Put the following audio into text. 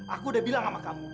aku udah bilang sama kamu